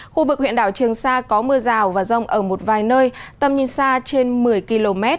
khu vực huyện đảo trường sa có mưa rào và rông ở một vài nơi tầm nhìn xa trên một mươi km